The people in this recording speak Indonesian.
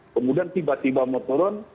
kemudian tiba tiba mau turun